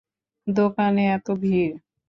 দোকানে এত ভিড়।